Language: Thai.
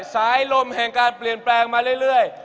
สายลมแห่งการเปลี่ยนแปลงมาเรื่อย